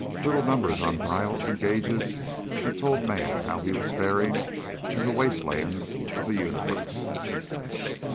Little numbers on dials and gauges that told man how he was faring in the wastelands of the universe.